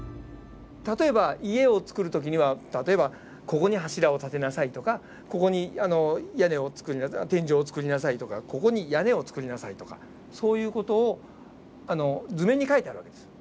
例えば家を造る時には例えばここに柱を立てなさいとかここに天井を造りなさいとかここに屋根を造りなさいとかそういう事を図面に描いてある訳です。